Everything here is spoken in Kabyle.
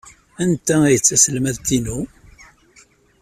Anta ay d taselmadt-inu?